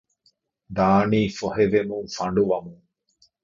ދާނީ ފޮހެވެމުން ފަނޑުވަމުން